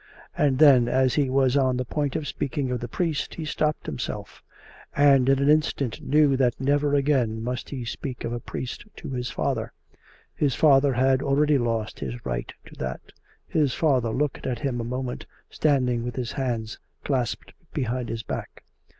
And then as he was on the point of speaking of the priest, he stopped himself; and in an instant knew that never again must he speak of a priest to his father; his father had already lost his right to that. His father looked at him a moment, standing with his hands clasped behind his back.